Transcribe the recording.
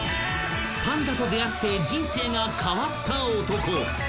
［パンダと出会って人生が変わった男］